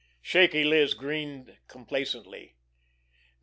Shaky Liz grinned complacently.